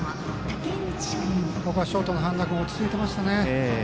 ショートの半田君落ち着いてましたね。